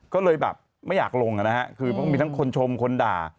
ก็เลยแบบไม่อยากลงนะฮะคือมีทั้งคนชมคนด่า